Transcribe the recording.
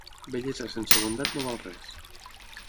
Bellesa sense bondat no val res.